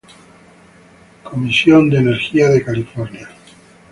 California Energy Commission.